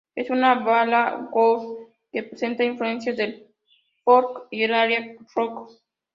Es una balada "country" que presenta influencias al "folk" y el "arena rock".